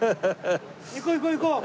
行こう行こう行こう！